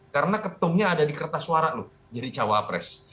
karena ketumnya ada di kertas suara loh jadi cawapres